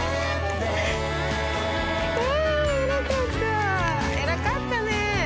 あ偉かった偉かったね。